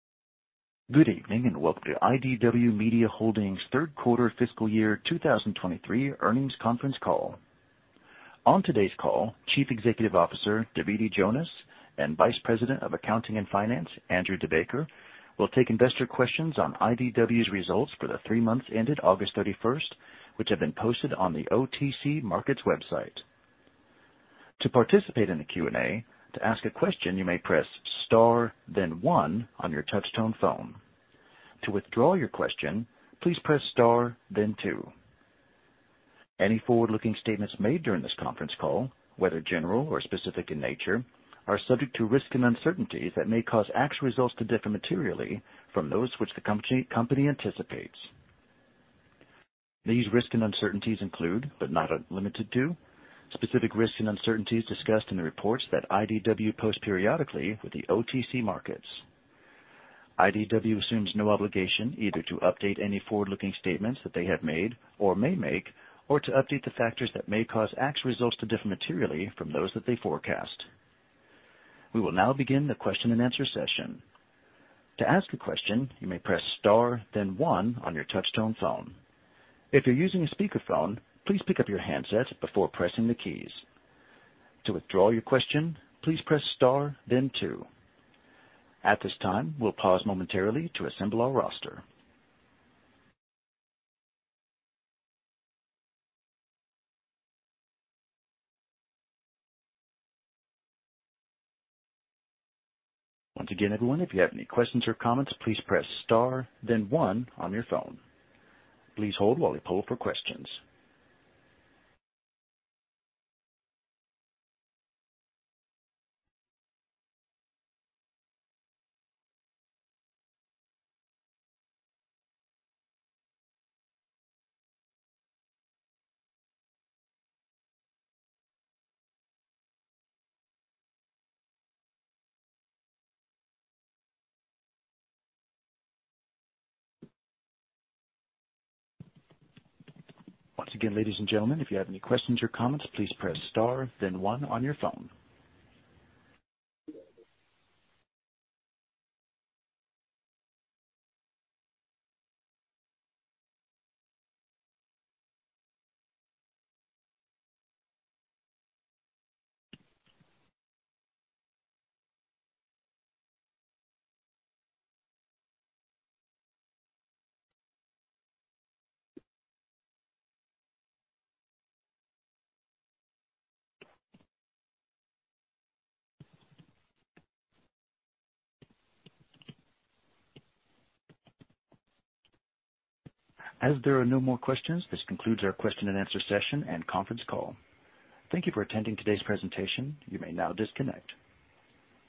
Good evening, and welcome to IDW Media Holdings third quarter fiscal year 2023 earnings conference call. On today's call, Chief Executive Officer Davidi Jonas and Vice President of Accounting and Finance Andrew DeBacker will take investor questions on IDW's results for the three months ended August 31, which have been posted on the OTC Markets website. To participate in the Q&A, to ask a question, you may press * then 1 on your touchtone phone. To withdraw your question, please press * then 2. Any forward-looking statements made during this conference call, whether general or specific in nature, are subject to risks and uncertainties that may cause actual results to differ materially from those which the company, company anticipates. These risks and uncertainties include, but not limited to, specific risks and uncertainties discussed in the reports that IDW posts periodically with the OTC Markets. IDW assumes no obligation either to update any forward-looking statements that they have made or may make, or to update the factors that may cause actual results to differ materially from those that they forecast. We will now begin the question-and-answer session. To ask a question, you may press star then one on your touchtone phone. If you're using a speakerphone, please pick up your handsets before pressing the keys. To withdraw your question, please press star then two. At this time, we'll pause momentarily to assemble our roster. Once again, everyone, if you have any questions or comments, please press star then one on your phone. Please hold while we poll for questions. Once again, ladies and gentlemen, if you have any questions or comments, please press star then one on your phone. As there are no more questions, this concludes our question-and-answer session and conference call. Thank you for attending today's presentation. You may now disconnect.